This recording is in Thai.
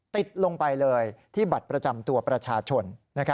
ติดลงไปเลยที่บัตรประจำตัวประชาชน